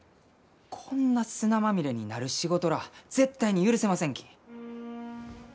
こんな砂まみれになる仕事らあ絶対に許せませんき。